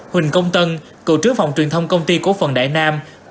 huỳnh công tân cựu trướng phòng truyền thông công ty cổ phần đại nam